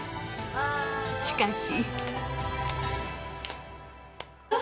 しかし。